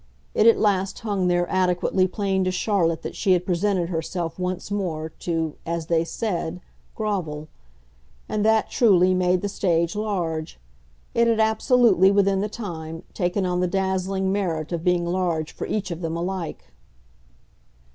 It at last hung there adequately plain to Charlotte that she had presented herself once more to (as they said) grovel; and that, truly, made the stage large. It had absolutely, within the time, taken on the dazzling merit of being large for each of them alike.